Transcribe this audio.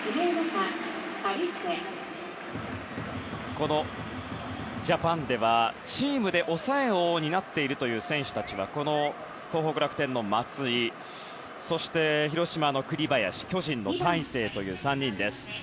このジャパンでは、チームで抑えを担っている選手たちは東北楽天の松井広島の栗林巨人の大勢という３人です。